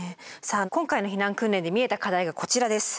さあ今回の避難訓練で見えた課題がこちらです。